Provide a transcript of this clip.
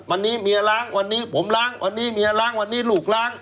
วันนี้เมียล้างวันนี้ผมล้างวันนี้เมียล้างวันนี้ลูกล้าง